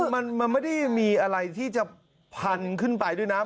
มันไม่ได้มีอะไรที่จะพันขึ้นไปด้วยนะ